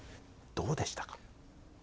どうでしたか？